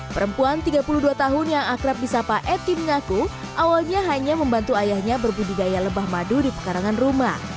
perempuan tiga puluh dua tahun yang akrab di sapa eti mengaku awalnya hanya membantu ayahnya berbudidaya lebah madu di pekarangan rumah